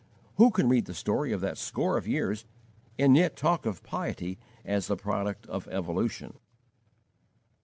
Who can read the story of that score of years and yet talk of piety as the product of evolution?